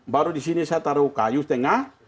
baru di sini saya taruh kayu tengah